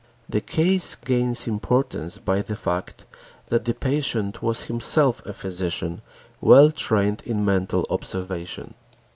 The case gains importance by the fact that the patient was himself a physician well trained in mental observation.